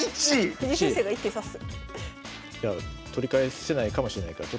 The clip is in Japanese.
藤井先生が１手指す。